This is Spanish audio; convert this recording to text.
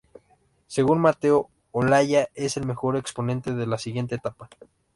Según Mateo Olaya, es el mejor exponente de la siguiente etapa.